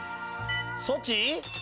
ソチ？